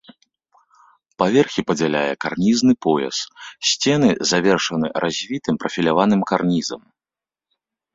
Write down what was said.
Паверхі падзяляе карнізны пояс, сцены завершаны развітым прафіляваным карнізам.